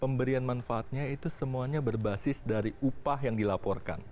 pemberian manfaatnya itu semuanya berbasis dari upah yang dilaporkan